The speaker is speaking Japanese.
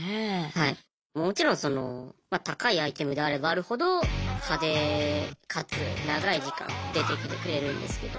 もちろんその高いアイテムであればあるほど派手かつ長い時間出てきてくれるんですけど。